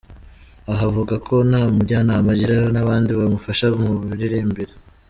Aha avuga ko nta mujyanama agira n’abandi bamufasha mu miririmbire.